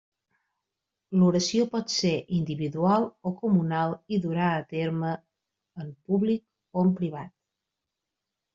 L'oració pot ser individual o comunal i durà a terme en públic o en privat.